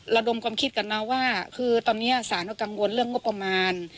ระดมความคิดก่อนนะว่าคือตอนนี้สารก็กังวลเรื่องงบประมาณ